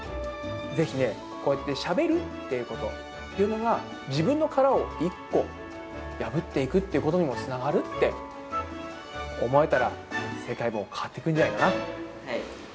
ぜひね、こうやってしゃべるということっていうのが、自分の殻を一歩破っていくっていうことにもつながるって思えたら、世界も変わってくはい。